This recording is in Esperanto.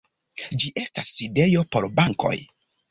Ĝi estas sidejo por bankoj.